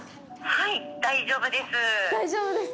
はい、大丈夫です。